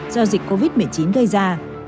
do dịch covid một mươi chín gây ra